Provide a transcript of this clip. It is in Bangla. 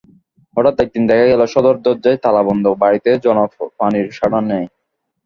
হঠাৎ একদিন দেখা গেল সদর দরজায় তালাবন্ধ, বাড়িতে জনপ্রাণীর সাড়া নাই।